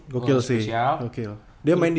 gokil sih gokil dia main di